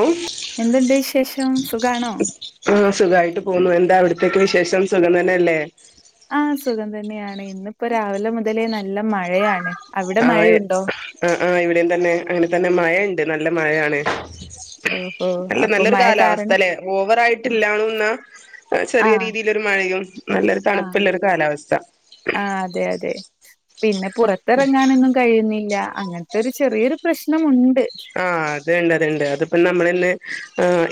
ഉം എന്തുണ്ട് വിശേഷം സുഖാണോ ആഹ് സുഖായിട്ട് പോന്നു എന്താ അവിട്ത്തെക്കെ വിശേഷം സുഖം തന്നെയല്ലേ ആഹ് സുഖം തന്നെയാണ് ഇന്നിപ്പോ രാവിലെ മുതലേ നല്ല മഴയാണ് അവിടെ ആഹ് മഴയുണ്ടോ? ആഹ് ആഹ് ഇവിടെയും തന്നെ അങ്ങനെ തന്നെ മഴ ഇണ്ട് നല്ല മഴയാണ് ഓഹോ! അല്ല അപ്പൊ നല്ലൊരു മഴ കാരണം കാലാവസ്ഥലേ ഓവറായിട്ട് ഇല്ലാണും ഇന്ന ആ ചെറിയ രീതി ലൊരു മഴയും നല്ലൊരു തണുപ്പുള്ള ഒരു കാലാവസ്ഥ ആഹ് അതെ അതെ പിന്നെ പുറത്തിറങ്ങാനൊന്നും കഴിയുന്നില്ല അങ്ങന ത്തൊരു ചെറിയൊരു പ്രശ്നമുണ്ട് ആഹ് അത്ണ്ട് അത്ണ്ട് അതിപ്പം നമ്മള് ഇന്ന്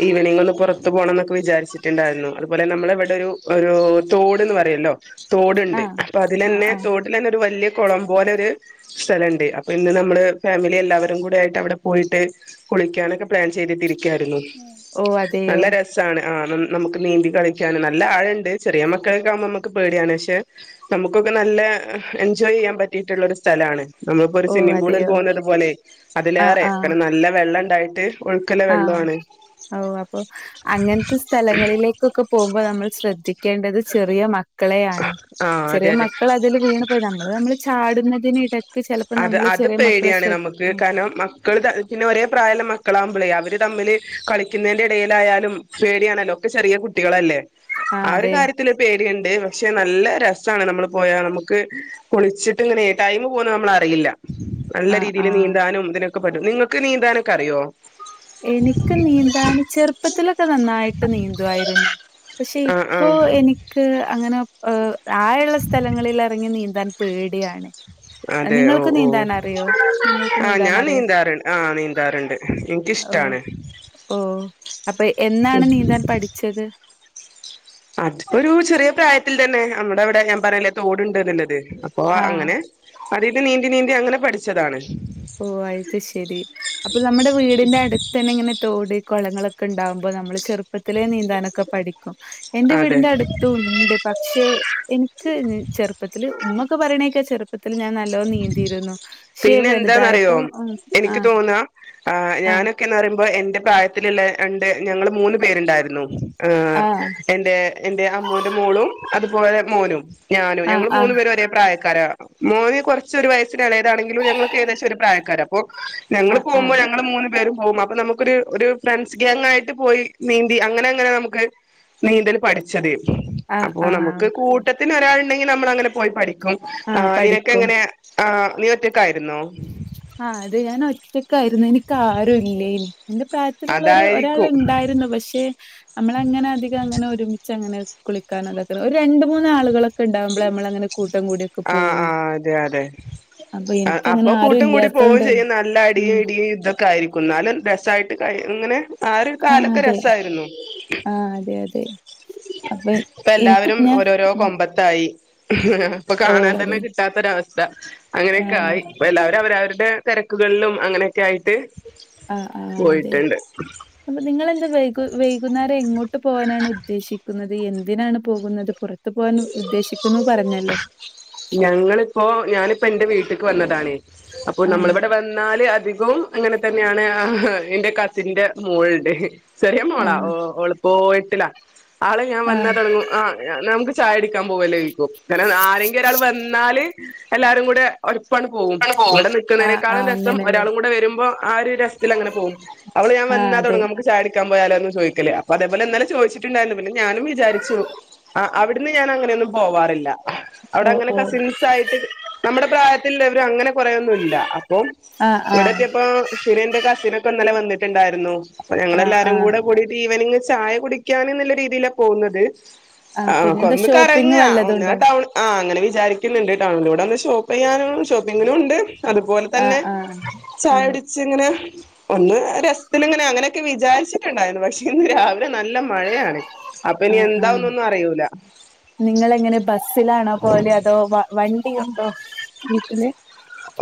ഈവെനിംഗ് ഒന്ന് പൊറ ത്തു പോണംന്നൊക്കെ വിചാരിച്ചിട്ടുണ്ടായിരുന്നു അതുപോലെ നമ്മളെ ഇവിടൊരു ഒരു തോട്ന്ന് പറയൊല്ലോ ആ തോട്ണ്ട് അപ്പൊ ആ അതിലെന്നെ ആ. തോട് ലെന്നെ ഒരു വല്യ കൊളം പോലെ ഒരു സ്ഥലണ്ട് അപ്പൊ ഇന്ന് നമ്മള് ഫാമിലി എല്ലാവരും കൂടെ ആയിട്ട് അവിടെ പോയിട്ട് കുളിക്കാനൊക്കെ പ്ലാൻ ചെയ്തിട്ടിരിക്കായിരുന്നു ഓ അതെയോ? നല്ല രസ സാണ് ആഹ് നമുക്ക് നീന്തി കളിക്കാന് നല്ല ആഴണ്ട് ചെറിയ മക്കളൊക്കെ ആമ്പോ നമ്മക്ക് ക്ക് പേടിയാണ് പക്ഷെ നമുക്കൊക്കെ നല്ല എൻജോയ് ചെയ്യാൻ പറ്റിയിട്ടുള്ള ഒരു സ്ഥലാണ് നമ്മളിപ്പോ ഒരു ഓ സ്വിമ്മിംഗ് പൂളിൽ അതെയോ? പോവ്ന്നത് പോലെ ആ അതിലേറെ കാരണം നല്ല വെള്ളം ഇണ്ടായിട്ട് ആഹ് ഔ അപ്പൊ അങ്ങൻത്തെ സ്ഥലങ്ങളിലേക്കൊക്കെ പോക്മ്പോ നമ്മൾ ശ്രദ്ധിക്കേണ്ടത് ചെറിയ മ ക്കളെയാണ് ആ ചെറിയ അതെ അതെ മക്കൾ അതിൽ വീണ് പോയി നമ്മൾ നമ്മൾ ചാടുന്നതിനിട അത് അത് പേടിയാണ് നമുക്ക് കാരണം മ മക്കള് പിന്നെ ഒരേ പ്രായള്ള മക്കളാമ്പളേ അവര് തമ്മില് കളിക്ക്ന്നേന്റെ ഇടേലായാലും പേടിയാണല്ലോ ഒക്കെ ചെറിയ കുട്ടികളല്ലേ ആ ഒരു കാര്യ ത്തില് പേടിയ്ണ്ട് പക്ഷെ നല്ല രസാണ് നമ്മള് പോയാ നമുക്ക് കുളിച്ചിട്ട് ഇങ്ങനെ ടൈം പോന്ന നമ്മള് അ റിയില്ല ആ നല്ല ആ രീതിൽ നീന്താനും ഇതിനൊക്കെ പറ്റും നിങ്ങക്ക് നീന്താനൊക്കെ അറിയോ എനിക്ക് നീന്താന് ചെറുപ്പത്തിലൊക്കെ നന്നായിട്ട് നീന്തുവായിരുന്നു പക്ഷെ ആഹ് ഇപ്പോ ആഹ് എനി ക്ക്‌ അങ്ങനെ ആയ ഇള്ള സ്ഥലങ്ങളില് എറങ്ങി നീന്താൻ പേടിയാണ് അതെ ഓഹ് നിങ്ങൾക്ക് ഓഹ് നീന്താൻ അറിയോ നിങ്ങൾക്ക് ആ നീന്താൻ ഞാൻ അറിയോ നീന്താറ്ണ്ട് ആ നീന്താർണ്ട് ഇനിക്കിഷ്ടാണ് ഓഹ് അപ്പ എന്നാണ് നീന്താൻ പഠിച്ചത് അത്പ്പൊ ഒരു ചെറിയ പ്രായത്തിൽ തന്നെ നമ്മടെ അവിടെ ഞാൻ പറഞ്ഞില്ലേ തോട്ണ്ട്ന്ന്ള്ളത് പ്പോ ആ അങ്ങനെ അതീന്ന് നീന്തി നീന്തി അങ്ങനെ പഠിച്ചതാണ് ഓഹ് അയിത് ശരി അപ്പ നമ്മുടെ വീടിന്റെ അടുത്ത് തന്നെ ഇങ്ങനെ തോട് കൊളങ്ങളൊക്കെ ഇണ്ടാവ്മ്പോ നമ്മള് ചെറുപ്പത്തിലേ നീന്താനൊക്കെ പഠി എന്റെ അതെ വീടിന്റെ അടുത്തും ഇണ്ട് പക്ഷെ എനിക്ക് ചെറുപ്പത്തില് ഇമ്മൊക്കെ പറയണേക്കാ ചെറുപ്പത്തില് ഞാൻ നല്ലോം നീന്തിയിരുന്നു ക്ഷെ വല് റിയോ എനിക്ക് തോന്ന ആഹ് ഞാന് ക്കേന്ന് പറയുമ്പോ എന്റെ പ്രായത്തില്ള്ള രണ്ട് ഞങ്ങള് മൂന്ന് പേരുണ്ടായിരുന്നു ആഹ് എന്റെ എന്റെ അമ്മോന്റെ മോളും അതുപോലെ മോനും ഞാനും ആഹ് ഞങ്ങള് മൂന്നു പേരും ഒരേ പ്രായക്കാരാ മോന് കൊർച്ചൊരു വയസിന് എളേതാണെങ്കിലും ഞങ്ങളൊക്കെ ഏകദേശം ഒരു പ്രായക്കാരാ അപ്പൊ ഞങ്ങള് ആഹ് പോമ്പോ ആഹ് ഞങ്ങള് മൂന്ന് പേരും പോവും അപ്പ നമ്മ ഒരു ഒര് ഫ്രണ്ട്സ് ഗാങ് ആയിട്ട് പോയി നീന്തി അങ്ങനെ അങ്ങനെ നമുക്ക് നീന്തൽ പഠി ച്ചത്. ആഹ് അപ്പൊ ആഹ് ആഹ് നമുക്ക് ഓക്കെ കൂട്ടത്തിന് ഒരാള്ണ്ടെങ്കി നമ്മൾ അങ്ങനെ പോയി പഠിക്കും ആ പഠി എങ്ങനെ ആഹ് നീ ഒറ്റക്കായിരുന്നോ ആ അതെ ഞാൻ ഒറ്റക്കായിരുന്നു എനിക്ക് ആരു ഇല്ലേനി എന്റെ പ്രായ ത്തിലുള്ളോര് ഒരാൾ അതായിരിക്കും ഉണ്ടായിരുന്നു പക്ഷെ നമ്മള അങ്ങനെ അധികം അങ്ങനെ ഒരുമിച്ച് അങ്ങനെ കുളിക്കാനതൊക്കെ ഒര് രണ്ട് മൂന്നാളുകളൊക്കെ ക്കൊണ്ടാവുമ്പളെ നമ്മളങ്ങനെ കൂട്ടം കൂടൊക്കെ ആ ആ പോവുള്ളൂ അതെ അപ്പൊ ഇനിക്കങ്ങനെ ആ കുട്ടും കൂടി പോവു ചെയ്യും നല്ല അടിയും ഇടിയും ഇതൊക്കെ ആയിരിക്കും ന്നാല് രസായിട്ട് കയ് ഇങ്ങനെ ആ ഒരു ആഹ് കാലൊക്കെ അതെ രസായിരുന്നു ആഹ് അതെ അതെ അപ്പൊ എനിക്ക് പ്പെല്ലാവരും ഞാൻ ഓരോരോ ഉം കൊമ്പത്ത് ത്തായി പ്പ ഓഹ് കാണാൻ തന്നെ അതെ കിട്ടാത്തൊരവസ്ഥ അങ്ങനെയൊക്കെ ആഹ് ആയി എല്ലാവരും അവരവരുടെ തെരക്കുകള്ലും അങ്ങനെയൊക്കെ ആയിട്ട് ആഹ് ആഹ് അതെ പോയിട്ടുണ്ട് അപ്പ നിങ്ങളെന്താ വൈകു വൈകുന്നേരം എങ്ങോട്ട് പോകാനാണ് ഉദ്ദേശിക്കുന്നത് എന്തിനാണ് പോകുന്നത് പുറ ത്ത് പോവാൻ ഉദ്ദേശിക്കുന്നു പറഞ്ഞല്ലോ ഞങ്ങളിപ്പോ ഞാനിപ്പോ എന്റെ വീട്ട്ക്ക് വന്നതാണ് അപ്പൊ ആഹ് നമ്മളിവിടെ വന്ന് ന്നാല് അധികവും അങ്ങനെ തന്നെയാണ് എന്റെ കസിന്റെ മോള്ണ്ട് ചെറിയ മോളാ, ആഹ് ഓ ഓളിപ്പൊ എട്ടില ആള് ഞാൻ ആഹ് വന്ന തൊടങ്ങു ആഹ് നമക്ക് ചായുടിക്കാൻ പോവല്ലോയ്ക്കും താണ് ആരെങ്കി ങ്കി ഒരാള് വന്നാല് എല്ലാരും കൂടെ ഒര്പ്പാണ് പോവും ഇവിടെ ആഹ് നിക്കുന്നതിനേക്കാളും ആഹ് രസം അങ്ങനെല്ലേ ഒരാളും കൂടെ വരുമ്പോ ആ ഒരു രസത്തിങ്ങനെ പോവും അവള് ആഹ് ഞാൻവന്നാ അതെ തൊടങ്ങു നമക്ക് ചായു ക്കാൻ പോയാലോന്ന് ചോയിക്കല് അതേപോലെന്നലെ ചോദിച്ചിട്ടുണ്ടായിരുന്നു പിന്നെ ഞാനും വിചാരിച്ചു ആ അവിട്ന്ന് ഞാൻ അങ്ങനെയൊന്നും പോവാറില്ല ഓഹ് അവടെങ്ങനെ ഓഹ് കസിൻസ് ആയിട്ട് നമ്മുടെ പ്രായത്തില്ലവരും അങ്ങനെ കൊറേന്നുല്ല അപ്പൊ ആഹ് ആഹ് വടെത്തിയപ്പോ ഇക്കുറി എന്റെ കസിനൊക്കെ ഇന്നലെ വന്നിട്ടുണ്ടായിരുന്നു പ്പ ആഹ് ഞങ്ങളെല്ലാരും ആഹ് കൂടെ കൂടീട്ട് ഈവനിങ് ചായ കുടിക്കാൻ എന്നുള്ള രീതിയിലാ പോകുന്നത് ആഹ് ഓക്കൊ പിന്നെന്താ ഒന്ന് ഷോപ്പിംഗ് കറങ്ങാ ഒന്ന് ആ വല്ലതുണ്ടോ? ടൗൺ ആ അങ്ങനെ വിചാരിക്കുന്ന്ണ്ട് ടൗണിലൂടെന്ന് ഷോപ്പെയ്യാനും ഷോപ്പിങ്ങിനും ഉണ്ട് ആഹ് അതുപോൽതന്നെ ആഹ് ആഹ് ചായട്ച്ച്ങ്ങനെ ഒന്ന് രസ്ത്തിലിങ്ങനെ അങ്ങനെക്കെവിചാരിച്ചിട്ടുണ്ടായിരുന്നു പക്ഷേ ഇന്ന് രാവിലെ നല്ലമഴയാണ് അപ്പനി എന്താവുന്നൊന്നും അറിയൂല നിങ്ങളെങ്ങെനെ ബസ്സിലാണോ പോവല് അതോ വ വണ്ടിയുണ്ടോ വീട്ടില്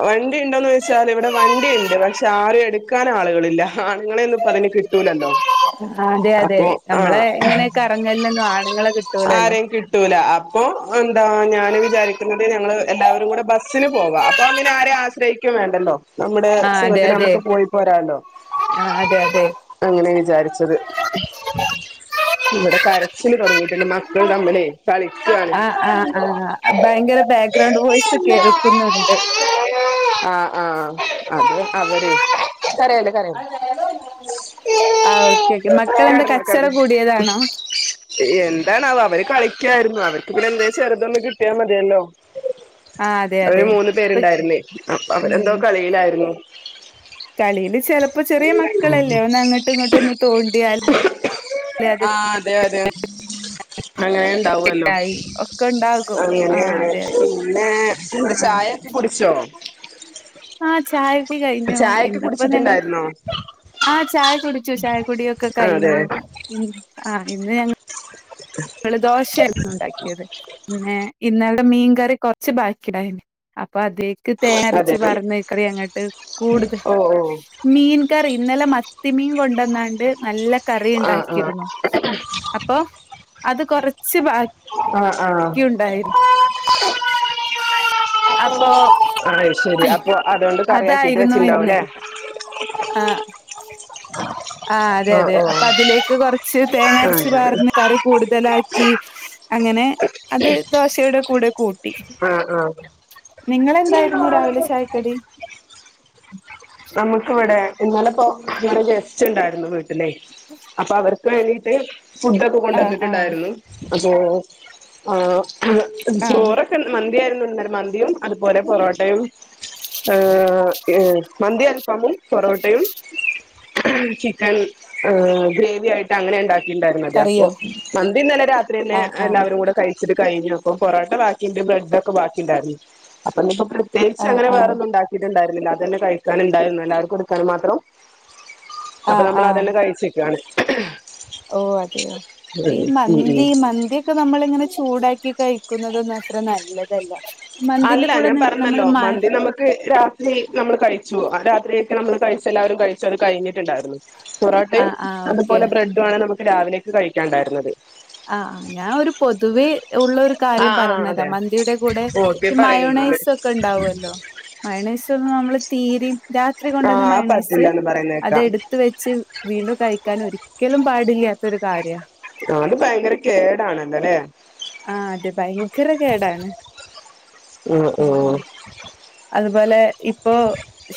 വണ്ടിണ്ടോന്നോയിചാല് ഇവ്ടെ വണ്ടി ഇണ്ട്. പക്ഷെ ആരും എട്ക്കാൻ ആളുകളില്ല ഹ ആണുങ്ങളൊന്നുപ്പഅതിന് കിട് - ട്ടൂല്ലല്ലോ ഹ അതെഅതെ നമ്മളെ ഇങ്ങനെ കറങ്ങൽനൊന്നും ആണുങ്ങളെ കിട്ടൂലല്ലോ. ആരെയും കി ട്ടൂല അപ്പൊ എന്താ ഞാന് വിചാരിക്കുന്നത് ഞങ്ങള് എല്ലാവരും കൂടെ ബസില് പോവാ അപ്പൊ പിന്നെ ആരേയും ആ ശ്രയിക്കുംവേണ്ടല്ലോ നമ്മുടെ ആഹ് അതെ സുഖത്തിന് അതെ നമുക്ക് പോയി പോരാല്ലോ. ആഹ് അതെ അതെ അങ്ങനെ വിചാരിച്ചത്. ഇവടെ കരച്ചില് തൊടങ്ങി പിന്നെ മക്കള് തമ്മിലെ കളിക്കാണ് ആഹ് ആഹ് ആഹ് കുന്നുണ്ട് ആഹ് ആഹ് അത് അവര് കരയല്ലേ കടന്ന ആഹ് ഓക്കെ ഓക്കെ മക്കളെന്താ കച്ചറ കടന്നു കൂടിയതാണോ [unintelligible] എ എന്താണാവോ അവര് കളിക്യായിരുന്നു അവർക്ക് പിന്നെ എന്തെചെറുതൊന്ന്കിട്ടിയാമതിയല്ലോ ആഹ് അതെ അവര് അതെ മൂന്ന് ഇപ്പ പേരുണ്ടായിരുന്നേ അപ്പൊ അവരെന്തോ കളിയിലായിരുന്നു കളീല് ചെലപ്പോ ചെറീ മക്കളല്ലേ ഒന്ന് അങ്ങോട്ടുംഇങ്ങോട്ടും ഒന്ന് തോണ്ടിയാൽ ആഹ് അതെതെ അങ്ങനെണ്ടാവല്ലോ യി ഒക്കെ ഉണ്ടാകും ആഹ് അങ്ങനെയാണ് അതെ അതെ പിന്നേ ആഹ് ചായക്കെ കുടിച്ചോ ആഹ് ചായടി കഴിഞ്ഞു ചായൊക്കെ ഇന്ന്പ്പോ ഞങ്ങള് കുടിച്ചിട്ടുണ്ടായിരുന്നോ ആഹ് ചായ കുടിച്ചു ചായ കുടിയൊക്കെ അതെ കഴിഞ്ഞു പിൻ ആഹ് ഇന്ന് ഞങ്ങ എള് ദോശായിരുന്നു ഇണ്ടാക്കിയത് പിന്നെ ഇന്ന് മീങ്കറി കൊർച് ബാക്കിയായി അപ്പൊ അതീ ക്ക് അതെ തേങ്ങര്ച്ച് പറന്നേക്കറി അങ്ങട്ട് കൂടുതൽ ഓ ഓ മീൻ കറി ഇന്നലെ മത്തിമീൻ കൊണ്ടോന്നാണ്ട് നല്ല കറി ആഹ് ആഹ് ണ്ടാക്കിരുന്നു അപ്പൊ അത് കൊറച്ച് ബാ ആഹ് ആഹ് അപ്പൊ അയ്ശെരി അപ്പൊ അതോണ്ട് കറിയാക്കിട്ട് അതായിരുന്നു ഇന്ന് വെച്ചിണ്ടാവുലെ ആഹ് ആഹ് അതെതെ അപ്പൊ അതിലേക്ക് കൊർ ച്ച് തേങ്ങര്ച്ച് അങ്ങനെ പാർന്ന്കറി തലാക്കി അങ്ങനെ അത് ദോശയുടെ കൂടെ കൂട്ടി ആഹ് ആഹ് നിങ്ങളെന്തായിരുന്നു രാവിലെ ചായക്കടി നമുക്ക്വ്ടെ ഇന്നലപ്പോ ഇന്നലെ ഗസ്റ്റ്ണ്ടായിരുന്നു വീട്ടിലെയ് ഉഫ് അപ്പൊ അവർക്ക് വേണ്ടീട്ട് ആഹ് ആഹ് ഫുഡോക്കെകൊണ്ടുവന്നിട്ടുണ്ടായിരുന്നു അപ്പൊ ആഹ് ആഹ് ചോറൊക്കെ മന്തിയാ യിരുന്നുന്നലെ മന്തിയും അതുപോലെ പൊറോട്ടയും ആ ഇഹ്‌ മന്തി അൽഫാമും പൊറോട്ടയും ഹും ചിക്കൻ ഏ ഗ്രേവി ആയിട്ട് അങ്ങനെ ഇണ്ടാ കിണ്ടായിര്ന്നത് അപ്പൊ കറിയോ മന്തിന്നലെ രാത്രിന്നെ ആഹ് ആഹ് എല്ലാവരും കൂടെ കയി ച്ച്ട്ട്കഴിഞ്ഞു അപ്പൊ പൊറാട്ട ബാക്കിണ്ട് ബ്രെ‌ഡോക്കെ ബാക്കി ണ്ടായിരുന്നു അപ്പൊ ഞ്പോ ആഹ് തേചങ്ങനെ ആഹ് വേറെന്നുണ്ടാക്കിട്ടു ണ്ടായിരുന്നില്ല അതന്നെ കഴിക്കാ നുണ്ടായിരുന്നു എല്ലാവർക്കുടുക്കാന് മാത്രം അപ്പൊ നമ്മള് അതല്ല കഴിച്ച്ക്കാണ് ഓഹ് അതെയോ പ്പ ഈ മന്തി ഉം മന്തിക്കെ ക്കനമ്മളിങ്ങനെ ചൂടാക്കി കഴിക്കുന്നതൊന്നത്ര നല്ലതല്ല മന്തിന്റെ അല്ല കൂടെ ഞാൻ നി പറഞ്ഞല്ലോ നമ്മള് മ മന്തി നമുക്ക് രാ ത്രി നമ്മള് കഴിച്ചു ആ രാത്രിയൊക്കെ നമ്മള് കഴിച്ചെല്ലാവരും കഴിച്ചു അത് കഴിഞ്ഞിട്ടുണ്ടായിരുന്നു ആ പൊറോട്ടയും ആ ഓക്കെ അതുപോലെ ബ്രെഡും ആണ് നമുക്ക് രാവിലേക്ക് കഴിക്കാണ്ടായിരുന്നത് ആഹ് ഞാൻ ഒരു പൊതുവെ ഉള്ള ഒരു കാര്യം ആഹ് ആഹ് പറഞ്ഞതാ അതെ മന്തിയുടെ കൂടെ ഓക്കെ ഈ പറയുന്നാല് മയോണൈസ് ഒക്കെ ഉണ്ടാവല്ലോ മൈണൈസ് ഒന്നും നമ്മള് തീരെ രാത്രി കൊണ്ടുവന്ന ആഹ് അത് മൈണൈസ് പറ്റില്ലാന്ന് പറയുന്നേക്കാം അതെടു ത്ത് വെച്ച് വീണ്ടും കഴിക്കാന് ഒരിക്കലും പാടില്ലാത്തൊരു കാര്യ ആഹ് അത് ഭയങ്കര കേടാണ് എന്താലേ ആഹ് അതെ ഭയങ്കര കേടാണ് ഉം ഉം അതുപോലെ ഇപ്പോ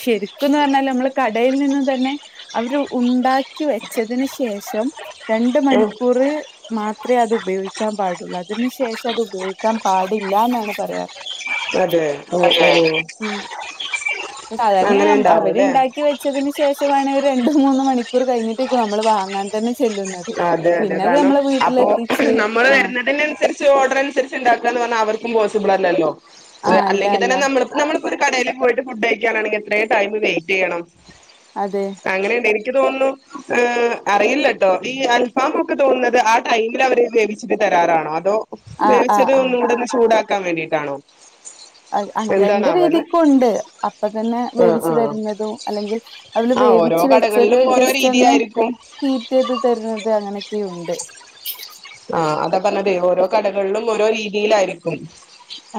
ശരിക്കന്ന് പറഞ്ഞാ നമ്മള് കടയിൽ നിന്ന തന്നെ അവര് ഉണ്ടാക് ക്കി വെച്ചതിന് ശേഷം രണ്ട് ഉം മണിക്കൂർ മാത്ര അത് ഉപയോഗിക്കാൻ പാടുള്ളൂ അതിന് ശേഷം അത് ഉപയോഗിക്കാൻ പാടില്ല എന്നാണ് പറയാ അതെ ഓ അതെ ഓ സാധന്നെ അങ്ങനെ ഉണ്ടാവൂല്ലേ അവരുണ്ടാക് വെച്ചതിന് ശേഷമാണ് ഒരു രണ്ടോ മൂന്ന് മണിക്കൂർ കഴിഞ്ഞിട്ടേക്ക് നമ്മൾ വാങ്ങാൻ തമ ചെല്ലു അതെ അതെ കാരണം അപ്പൊ നമ്മൾ ആഹ് വരുന്നതിനനുസരിച്ച് ഓഡർനുസരിച് ഉണ്ടക്കാ പറഞ്ഞ അവർക്ക പോസിബിൾ അല്ലോ ആഹ് അല്ല അല്ലെങ്കി അല്ല തന്നെ നമ്മ നമ്മളിപ്പോൾ ഒരു കടയില് പോയിട്ട് ഫുഡ് കഴിക്കാനാണെങ്കിൽ എത്ര ടൈം വെസ്റ്റ് ചെയ്യണം അതെ അങ്ങനെയണ്ട് എനിക്ക് തോന്നുന്നു അറിയില്ലട്ടോ ഈ അൽഫാം ഒക്കെ തോന്നുന്നത് ആ ടൈമിൽ അവര് വേവിച്ചിട്ട് തരാറാണോ അതോ ആഹ് ആഹ് വേച്ചത് ആഹ് ഒന്നും കൂടെന്ന് ചൂടാക്കാൻ വേണ്ടിട്ടാണോ അ അ രണ്ട് എന്താണാവല്ലേ രീതിക്കും ഉണ്ട് അപ്പ തന്നെ ആഹ് വേവിച്ചു ആഹ് തരുന്നതും അല്ലെങ്കിൽ അവള് ആഹ് ഓരോ വേവിച്ച് വെച്ചത് കടകളിലും ഓരോ ജസ്റ്റ് ഒന്ന് രീതിയായിരിക്കും ഹീറ്റ് ചെയ്ത് തരുന്നത് അങ്ങനെയൊക്കെയുണ്ട് ആ അതാ പറഞ്ഞത് ഓരോ കടകളിലും ഓരോ രീതിയിലായിരിക്കും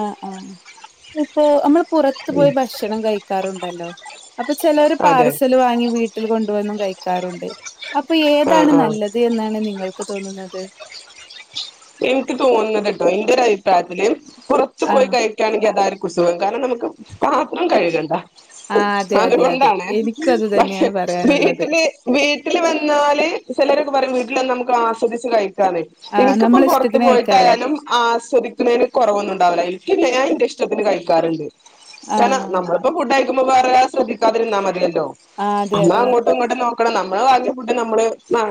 ആഹ് ആഹ് ഇപ്പൊ നമ്മൾ പുറത്ത് ഉം പോയി ഭക്ഷണം കഴിക്കാറുണ്ടല്ലോ അപ്പൊ ചിലർ അതെ പാർസല് വാങ്ങി വീട്ടിൽ കൊണ്ടുവന്നും കഴിക്കാറുണ്ട് അപ്പൊ ആഹ് ഏതാണ് ആഹ് നല്ലത് എന്നാണ് നിങ്ങൾക്ക് തോന്നുന്നത് എനിക്ക് തോന്നുന്നത് കേട്ടോ എന്റെ ഒരു അഭിപ്രായത്തില് പുറത്തു ആ പോയി കയി ണെങ്കിൽ അതൊ ഒരു കുസുഖം കാരണം നമുക്ക് പാത്രം കഴുകണ്ടാ ആ അതെ അതെ അതെ അതുകൊണ്ടാണ് എനിക്കും അത് പക്ഷേ തന്നെയാണ് പറയാനുള്ളത് വീട്ടില് വീട്ടിൽ വന്നാല് ചിലരൊക്കെ പറയും വീട്ടിൽന്ന നമുക്ക് ആസ്വദിച്ച് കഴിക്കാ ആഹ് ഇപ്പൊ പുറത്ത് പോയിട്ടായാലും ആ ആസ്വദിക്കുന്നതിന് കുറവൊന്നും ഉണ്ടാവില്ലരിക്കെ ഞാൻ എന്റെ ഇഷ്ടത്തിന് കഴിക്കാറുണ്ട് ആ കാരണം നമ്മളിപ്പോ ഫുഡയക്കുമ്പോ വേറെ ശ്രദ്ധിക്കാതിരുന്നാ മതിയല്ലോ ആ അതെ അമ്മ അതെ അങ്ങോട്ട് ഇങ്ങോട്ട് നോക്കണം നമ്മള് ഭാഗ്യ ഫുഡ് നമ്മള്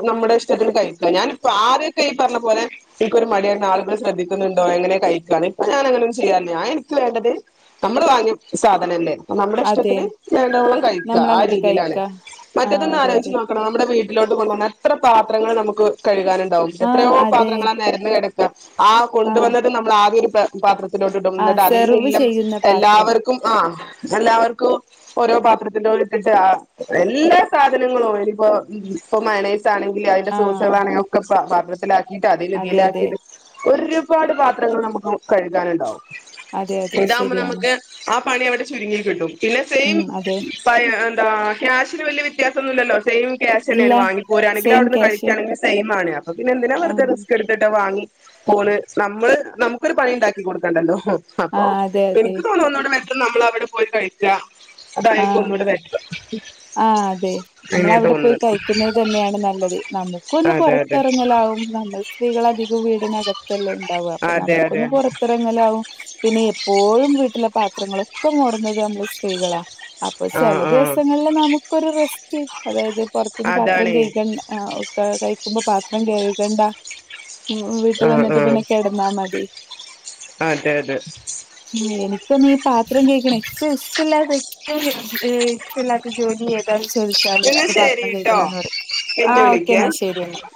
നമ്മുടെ ഇഷ്ടത്തിൽ കഴിക്ക ഞാനി ആരൊക്കെ ഈ പറഞ്ഞ പോലെ എനിക്കൊ മടിയ ആളുകൾ ശ്രദ്ധിക്കുന്നുണ്ടോ എങ്ങനെ കഴികാണ് ഇപ്പ ഞാൻ അങ്ങനൊന്നും ചെയ്യാരില്ലേ ആ എനിക്ക് വേണ്ടത് നമ്മള് വാങ്ങിയ സാധനല്ലേ നമ്മുടെ അതെ ഇഷ്ടത്തിന് വേണ്ടവോളം കഴിക്കുക ആ നമ്മളങ്ങട്ട് രീതിയിലാണ് കഴിക്ക ആ മറ്റേതൊന്ന അതെ അതെ ആലോചിച്ച് നോക്ക നമ്മുടെ വീട്ടിലോട്ട് കൊണ്ട എത്ര പാത്രങ്ങൾ നമുക്ക് കഴുകാനുണ്ടാവും ആഹ് എത്രയോ പാ അതെ നെരന്ന് കിടക്ക ആ ആഹ് കൊണ്ടുവന്നത് നമ്മൾ ആദ്യ ഒരു പാത്രത്തിലോട്ട് ഇടും ആഹ് വന്നിട്ട് അതിൽ സെർവ് നിന്ന് ചെയ്യുന്ന ആ പാത്രം എല്ലാവർക്കും ആഹ് എല്ലാവർക്കും ഓരോ പാത്രത്തിന്റെ ഇട്ടിട്ട് എല്ലാ സാധനങ്ങളും ഇനിപ്പോ ഇപ്പ മണേസ് ആണെങ്കിൽ അതിന്റെ സോസക ആഹ് ആണെങ്കില ഒക്കെ പത്രത്തിലാക്കിട്ട് അതിൽ അതെ അതെ ഇതിയിലാക്കിയിട്ട് ഒരുപാട് പാത്രങ്ങൾ നമുക്ക് കഴുകാനുണ്ടാവും അതെ അതെ ഇതാവുമ്പോൾ ശരിയാണ് നമുക്ക് ആ പണി അവിടെ ചുരുങ്ങി കിട്ടും പിന്നെ സെയിം ഉം അതെ എന്താ ക്യാഷിന് വലിയ വ്യത്യാസംന്നുല്ലല്ലോ സെയിം ക്യാശ് ഇല്ല തന്നെയാണ് വാങ്ങനി പോയാണെങ്കിൽ സെയിം അവിടുന്ന് ക്യാഷ് കഴുകയാണെങ്ക സെയി ആണ് അപ്പ പിന്നെ എന്തിനാ വെറുതെ ആഹ് റിസ്ക് എടുത്തിട്ട് വാങ്ങി പോണ് നമ്മള് നമുക്കൊരു പണിണ്ടാക്കി കൊടുക്കണ്ടല്ലോ അപ്പൊ ആഹ് അതെ അതെ എനിക്ക് തോന്നുംന്നോടെ ബെറ്റ നമ്മൾ അവിടെ പോയി കഴിക്ക അതായിരിക്കും ആഹ് ഒന്നുകൂടെ ബെറ്റർ ആഹ്, അതെ, നമ്മൾ അങ്ങനെയാ അവിടെ പോയി തോന്നുന്നത് കഴിക്കുന്നത് തന്നെയാണ് നല്ലത് നമുക്കു ഒന്ന് അതെ അതെ പുറത്തിറങ്ങലാവു നമ്മൾ, സ്ത്രീകൾ അധികം വീടിനകത്തല്ലേ ഉണ്ടാവ അപ്പൊ അതെ അതെ നമുക്കൊന്ന് പുറ ത്രങ്ങലാവും പിന്നെ എപ്പോഴും വീട്ടിലെ പാത്രങ്ങളൊക്കെ മോർന്നത് നമ്മള് സ്ത്രീകളാ, അപ്പൊ ആ ചില ആ ദിവസങ്ങളില് നമുക്കൊരു റെസ്റ്റ് അതായത് പുറത്തുന്ന് പാത്രം അതാണേ കഴ്കണ്ട, ആഹ്, ഒക്ക കഴിക്കുമ്പോ പാത്രം കഴുകണ്ട, വീട്ട് ആ വന്നിട്ട് ആ പിന്നെ കിടന്നാ മതി, അതെ അതെ ഉം, എനിക്കൊന്നു ഈ പാത്രം കേഴ്കണ ഏറ്റവും ഇഷ്ടല്ലാത്തെ ഏറ്റവും ഇഷ്ടല്ലാ ജോലി ഏതാ ചോദിച്ചാല് എന്നാ അത് പാത്രം ശരിട്ടോ കഴികലന്ന് പറയും, പിന്നെ ആഹ് ഓക്കേ വിളിക്കാം എന്നാ ശെരി എന്നാ,